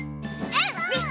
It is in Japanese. うん！